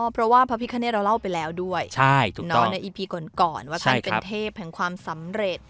เพราะว่าพระพิคเนตเราเล่าไปแล้วด้วยในอีพีก่อนว่าท่านเป็นเทพแห่งความสำเร็จ